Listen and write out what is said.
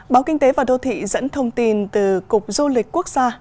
báo kinh tế và đô thị dẫn thông tin từ cục du lịch quốc gia